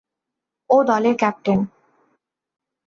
ও দলের ক্যাপ্টেন।